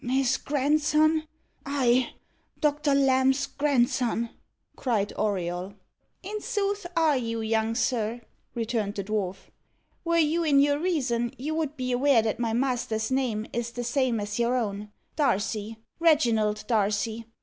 "His grandson! I Doctor Lamb's grandson!" cried Auriol. "In sooth are you, young sir," returned the dwarf. "Were you in your reason, you would be aware that my master's name is the same as your own Darcy Reginald Darcy.